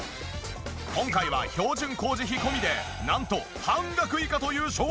今回は標準工事費込みでなんと半額以下という衝撃価格！